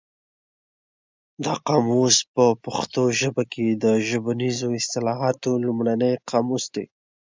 دا قاموس په پښتو ژبه کې د ژبپوهنیزو اصطلاحاتو لومړنی قاموس دی.